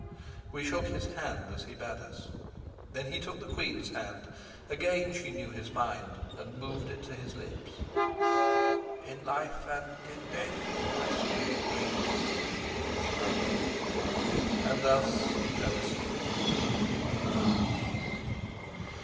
We shook his hand as he bade us. Then he took the queen's hand. Again she knew his mind, and moved it to his lips. "In life and in death, my sweet queen," he murmured. And thus he fell asleep.